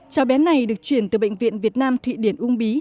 cháu bé này được chuyển từ bệnh viện việt nam thụy điển uông bí